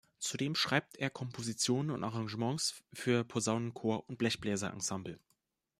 Zudem schreibt er Kompositionen und Arrangements für Posaunenchor und Blechbläserensemble.